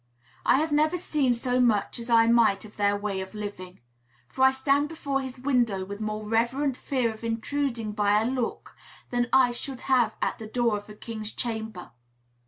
I have never seen so much as I might of their way of living; for I stand before his window with more reverent fear of intruding by a look than I should have at the door of a king's chamber.